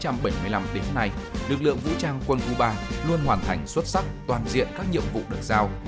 từ sau ngày ba mươi tháng bốn năm một nghìn chín trăm bảy mươi năm đến nay lực lượng vũ trang quân khu ba luôn hoàn thành xuất sắc toàn diện các nhiệm vụ được giao